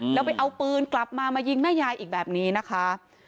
แล้วไปเอาปืนกลับมามายิงแม่ยายอีกแบบนี้นะคะ